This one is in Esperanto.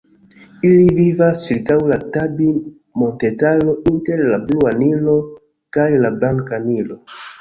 Ili vivas ĉirkaŭ la Tabi-montetaro, inter la Blua Nilo kaj la Blanka Nilo.